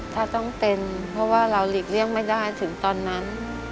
ถ้าต้องเป็นเพราะว่าเราหลีกเลี่ยงไม่ได้ถึงตอนนั้น